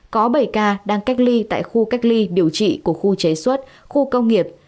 có bảy ca đang cách ly tại khu cách ly điều trị của khu chế xuất khu công nghiệp